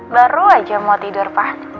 baru aja mau tidur pak